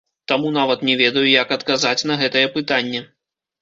Таму нават не ведаю, як адказаць на гэтае пытанне.